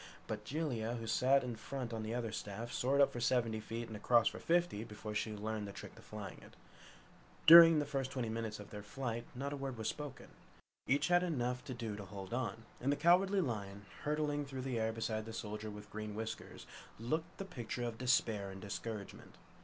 But Jellia, who sat in front on the other staff soared up for seventy feet and across for fifty before she learned the trick of flying it. During the first twenty minutes of their flight, not a word was spoken. Each had enough to do to hold on, and the Cowardly Lion, hurtling through the air beside the Soldier with Green Whiskers, looked the picture of despair and discouragement.